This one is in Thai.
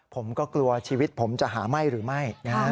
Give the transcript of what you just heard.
ผมก็กลัวชีวิตผมจะหาไหม้หรือไม่